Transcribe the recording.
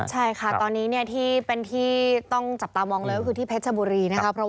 ใช่ค่ะตอนนี้ที่เป็นที่ต้องจับตามองเลยก็คือที่เพชรบุรีนะคะ